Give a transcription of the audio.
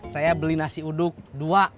saya beli nasi uduk dua